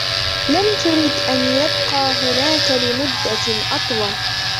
لم ترد أن يبقى هناك لمدة أطول